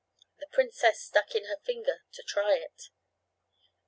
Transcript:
The princess stuck in her finger to try it.